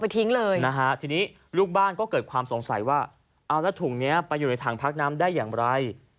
ทีนี้ลูกบ้านก็เกิดความสงสัยว่าเอาละถุงนี้ไปอยู่ในถังพักน้ำได้อย่างไร